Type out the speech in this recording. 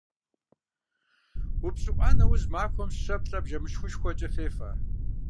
УпщӀыӀуа нэужь махуэм щэ-плӀэ бжэмышхышхуэкӀэ фефэ.